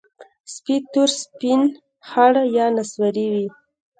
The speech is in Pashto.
سپي تور، سپین، خړ یا نسواري وي.